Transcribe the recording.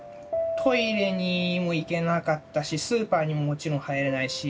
トイレにも行けなかったしスーパーにももちろん入れないし。